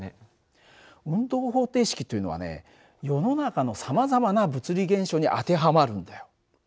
運動方程式というのはね世の中のさまざまな物理現象に当てはまるんだよ。